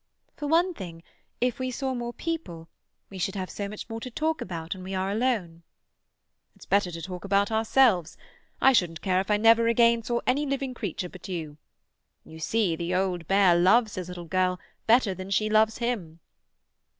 "For one thing, if we saw more people, we should have so much more to talk about when we are alone." "It's better to talk about ourselves. I shouldn't care if I never again saw any living creature but you. You see, the old bear loves his little girl better than she loves him."